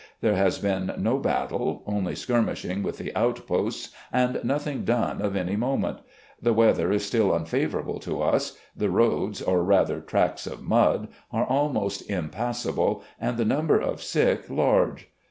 There has been no battle, only skirmishing with the outposts, and nothing done of any moment. The weather is still unfavourable to us. The roads, or rather tracks of mud, are almost impassable and the number of sick large.